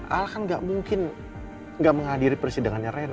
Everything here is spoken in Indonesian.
al kan gak mungkin gak menghadiri persidangannya rena